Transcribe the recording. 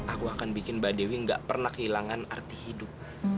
aku akan bikin mbak dewi gak pernah kehilangan arti hidup